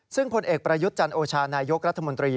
ซึ่งผลเอกประยุทธ์จันโอชานายกรัฐมนตรี